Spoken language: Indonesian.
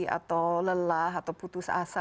atau lelah atau putus asa